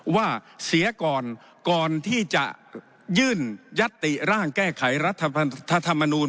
ว่าเสียก่อนก่อนที่จะยื่นยัตติร่างแก้ไขรัฐธรรมนูล